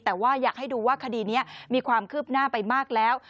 แต่ว่าอยากให้ดูว่าคดีนี้มีความคืบหน้าไปมากแล้ว